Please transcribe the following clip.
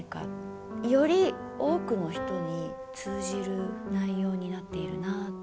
より多くの人に通じる内容になっているなあと。